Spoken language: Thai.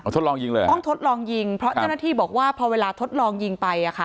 ทดลองยิงเลยเหรอต้องทดลองยิงเพราะเจ้าหน้าที่บอกว่าพอเวลาทดลองยิงไปอ่ะค่ะ